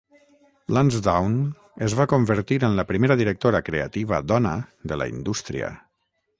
Lansdowne es va convertir en la primera directora creativa dona de la indústria.